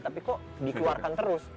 tapi kok dikeluarkan terus